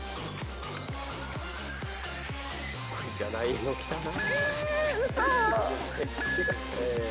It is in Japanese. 得意じゃないの来たな。